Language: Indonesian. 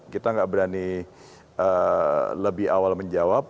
kita nggak berani lebih awal menjawab